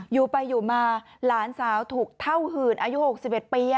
อยู่ไปอยู่มาหลานสาวถูกเท่าหื่นอายุ๖๑ปี